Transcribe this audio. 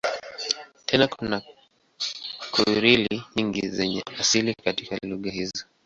Tena kuna Krioli nyingi zenye asili katika lugha hizo.